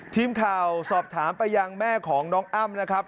ทีมข่าวสอบถามไปยังแม่ของน้องอ้ำนะครับ